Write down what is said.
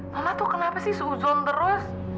mama tuh kenapa sih suzon terus